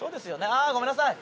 ああごめんなさい。